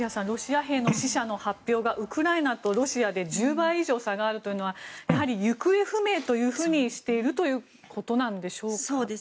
ロシア兵の死者の発表がウクライナとロシアで１０倍以上差があるというのはやはり行方不明としているということなんでしょうか。